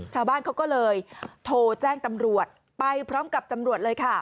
ชาวบ้านเขาก็เลยโทรแจ้งตำรวจไปพร้อมกับตำรวจเลยค่ะ